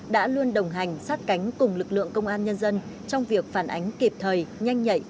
đã luôn đồng hành sát cánh cùng lực lượng công an nhân dân trong việc phản ánh kịp thời nhanh nhạy